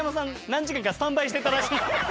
何時間かスタンバイしてたらしい。